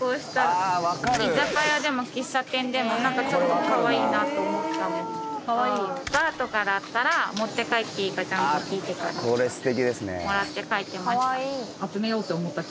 居酒屋でも喫茶店でも何かちょっとかわいいなと思ったものとかバーとかだったら持って帰っていいかちゃんと聞いてからもらって帰ってました